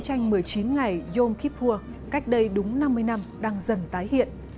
chiến tranh một mươi chín ngày yom kippur cách đây đúng năm mươi năm đang dần tái hiện